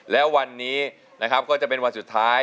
แล้ววันนี้นะครับก็จะเป็นวันสุดท้าย